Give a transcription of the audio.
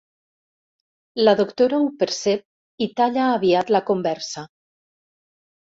La doctora ho percep i talla aviat la conversa.